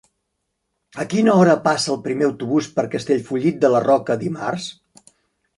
A quina hora passa el primer autobús per Castellfollit de la Roca dimarts?